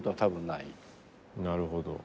なるほど。